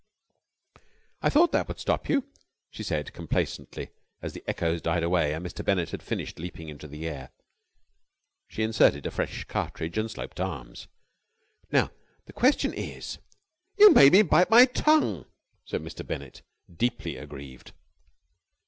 "I thought that would stop you," she said complacently, as the echoes died away and Mr. Bennett had finished leaping into the air. She inserted a fresh cartridge, and sloped arms. "Now, the question is...." "You made me bite my tongue!" said Mr. Bennett, deeply aggrieved.